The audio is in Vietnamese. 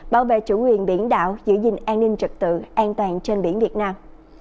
bảo vệ chủ quyền biển đảo giữ gìn an ninh trật tự an toàn trên biển việt nam